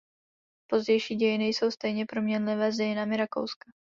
Pozdější dějiny jsou stejně proměnlivé s dějinami Rakouska.